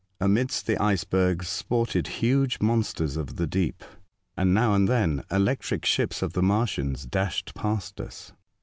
Amidst the icebergs sported huge monsters of the deep, and now and then electric ships of the Martians dashed past us.